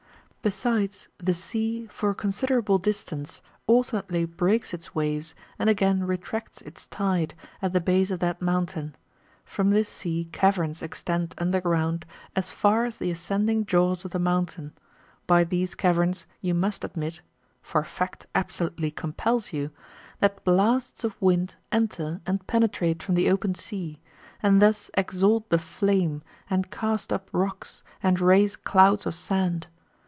Besides, the sea, for a considerable distance, alternately breaks its waves, and again retracts its tide, at the base of that mountain. From this sea caverns extend under ground as far as the ascending jaws of the mountain; by these caverns you must admit (for fact absolutely compels you) that blasts of wind enter ^ and penetrate from the open sea, and thus exalt the flame, and cast up rocks, and raise clouds of sand.